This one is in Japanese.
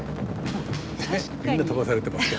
ねえみんな飛ばされてますよ。